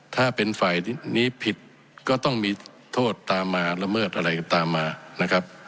ถ้าเป็นฝ่ายนี้ผิดก็ต้องมีโทษตามมาละเมิดอะไรตามมานะครับ